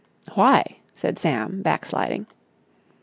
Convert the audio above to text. "Why?" said Sam, backsliding.